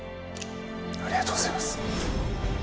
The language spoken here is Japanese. ありがとうございます。